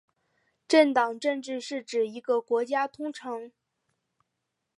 政党政治是指一个国家通过政党来行使国家政权的一种形式。